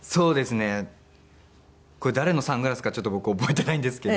これ誰のサングラスかちょっと僕覚えていないんですけど。